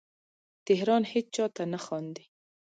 تهران هیچا ته نه خاندې